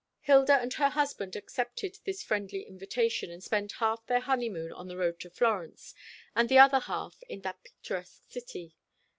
Hilda and her husband accepted this friendly invitation, and spent half their honeymoon on the road to Florence, and the other half in that picturesque city.